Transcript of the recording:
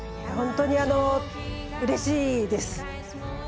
本当に、うれしいです。